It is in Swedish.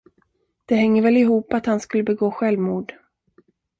Det hänger väl ihop, att han skulle begå självmord.